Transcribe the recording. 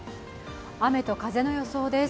雨と風の予想です。